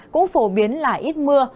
cũng phổ biến là ít mưa